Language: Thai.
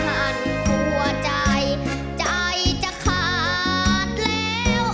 หันหัวใจใจจะขาดแล้ว